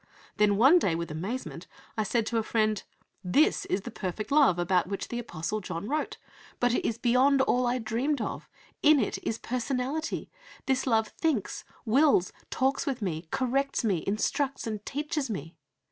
Then one day, with amazement, I said to a friend: "This is the perfect love about which the Apostle John wrote; but it is beyond all I dreamed of; in it is personality; this love thinks, wills, talks with me, corrects me, instructs and teaches me."